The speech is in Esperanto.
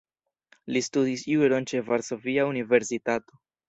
Li studis juron ĉe Varsovia Universitato.